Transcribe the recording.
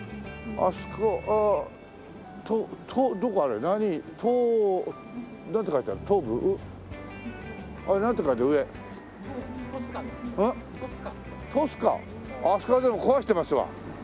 あそこはでも壊してますわ。